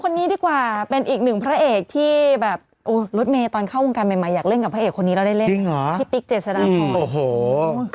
ใช่ทุกวันนี้ไม่ได้เป็นผู้จัดแล้วเป็นผู้แจก